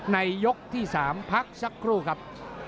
ยกที่๓พักสักครู่ครับ